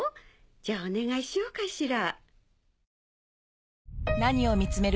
じゃお願いしようかしら。